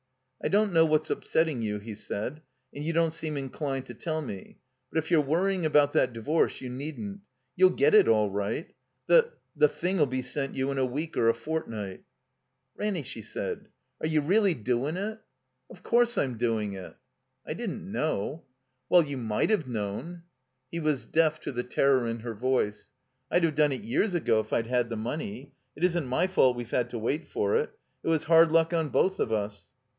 I don't know what's upsetting you," he said. And you don't seem inclined to tdl me. But if you're worrying about that divorce, you needn't. You'll get it all right. The — ^the thing 'U be sent you in a week or a fortnight." "Ranny," she said, "are you really doin' it?" 383 THE COMBINED MAZE "Of course I'm doing it." ''I didn't know." "Well — you might have known." He was deaf to the terror in her voice. "I'd have done it years ago if I'd had the money. It isn't my fault we've had to wait for it. It was hard luck on both of us."